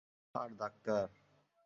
আর, doctor!